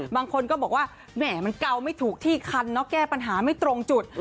บางคนก็บอกว่าแหม่มันเกาไม่ถูกที่คันเนาะแก้ปัญหาไม่ตรงจุด